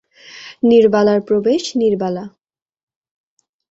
নীরবালার প্রবেশ নীরবালা।